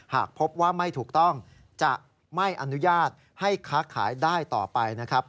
หากพบว่าไม่ถูกต้องจะไม่อนุญาตให้ค้าขายได้ต่อไปนะครับ